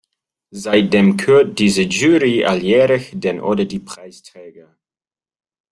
Seitdem kürt diese Jury alljährlich den oder die Preisträger.